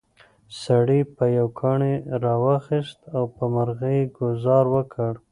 سړي یو کاڼی راواخیست او په مرغۍ یې ګوزار وکړ.